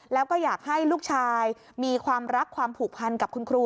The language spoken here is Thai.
แล้วก็อยากให้ลูกชายมีความรักความผูกพันกับคุณครู